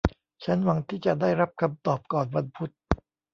ฉันหวังที่จะได้รับคำตอบก่อนวันพุธ